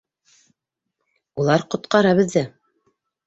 Улар ҡотҡара беҙҙе!